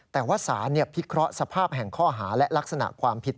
แต่ว่าสารพิเคราะห์สภาพแห่งข้อหาและลักษณะความผิด